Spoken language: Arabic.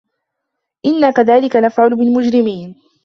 إِنّا كَذلِكَ نَفعَلُ بِالمُجرِمينَ